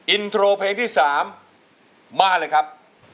อินโทรเพลงที่๓มาเลยครับ